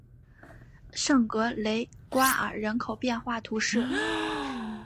圣格雷瓜尔人口变化图示